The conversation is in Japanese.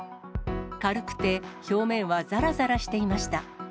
軽くて表面はざらざらしていました。